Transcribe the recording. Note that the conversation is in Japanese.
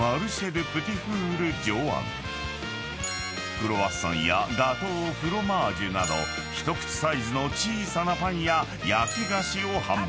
［クロワッサンやガトーフロマージュなど一口サイズの小さなパンや焼き菓子を販売］